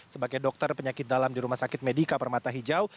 sebagai dokter penyakit dalam di rumah sakit medika permata hijau